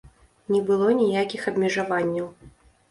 Не было ніякіх абмежаванняў.